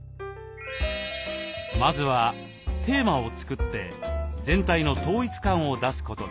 まずはテーマを作って全体の統一感を出すことです。